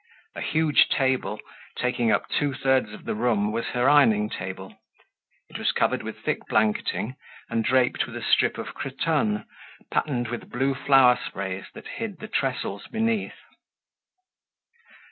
A huge table, taking up two thirds of the room, was her ironing table. It was covered with thick blanketing and draped with a strip of cretonne patterned with blue flower sprays that hid the trestles beneath.